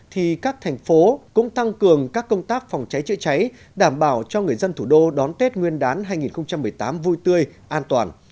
thì các thành phố cũng tăng cường các công tác phòng cháy chữa cháy đảm bảo cho người dân thủ đô đón tết nguyên đán hai nghìn một mươi tám vui tươi an toàn